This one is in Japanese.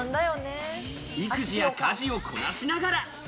育児や家事をこなしながら。